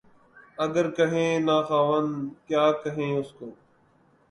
اگر کہیں نہ خداوند، کیا کہیں اُس کو؟